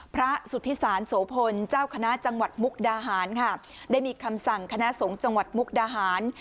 สุธิศาลโสพลเจ้าคณะจังหวัดมุกดาหารค่ะได้มีคำสั่งคณะสงฆ์จังหวัดมุกดาหาร